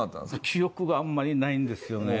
記憶があんまりないんですよね